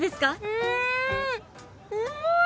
うんうまい。